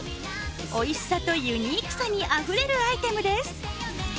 おいしさとユニークさにあふれるアイテムです。